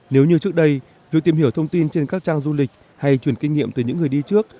nếu như trước đây việc tìm hiểu thông tin trên các trang du lịch hay chuyển kinh nghiệm từ những người đi trước